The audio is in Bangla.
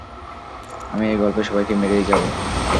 আমি এই গল্পের সবাইকে মেরেই যাব।